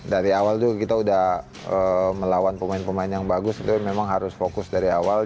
dari awal tuh kita udah melawan pemain pemain yang bagus itu memang harus fokus dari awal